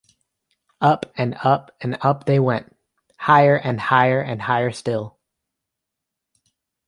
Up and up and up they went — higher and higher and higher still.